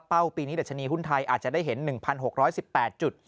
ปีนี้ดัชนีหุ้นไทยอาจจะได้เห็น๑๖๑๘จุด